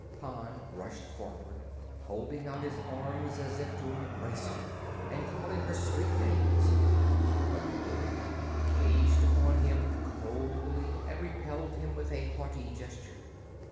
Pon rushed forward, holding out his arms as if to embrace her and calling her sweet names. But Gloria gazed upon him coldly and repelled him with a haughty gesture.